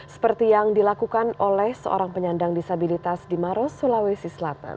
seperti yang dilakukan oleh seorang penyandang disabilitas di maros sulawesi selatan